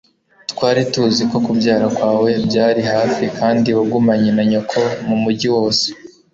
twari tuzi ko kubyara kwawe byari hafi kandi wagumanye na nyoko mumujyi wose